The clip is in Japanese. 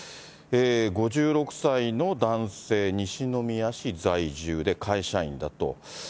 ５６歳の男性、西宮市在住で、会社員だと。